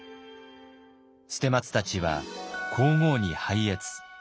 捨松たちは皇后に拝謁。